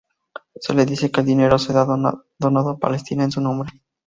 Se le dice que el dinero será donado a Palestina en su nombre.